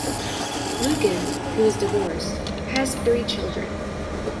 Luken, who is divorced, has three children.